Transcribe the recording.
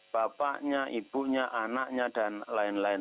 bapaknya ibunya anaknya dan lain lain